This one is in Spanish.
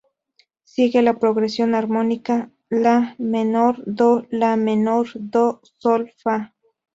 Sigue la progresión armónica "la" menor-"do"–"la" menor–"do"–"sol"–"fa".